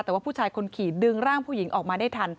แต่ว่าผู้ชายคนขี่ดึงร่างผู้หญิงออกมาได้ทัน